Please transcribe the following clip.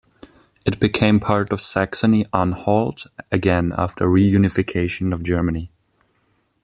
It became part of Saxony-Anhalt again after reunification of Germany.